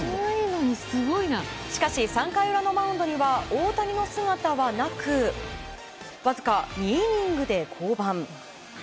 しかし、３回の裏のマウンドには大谷の姿はなくわずか２イニングで降板。